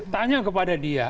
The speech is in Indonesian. tanya kepada dia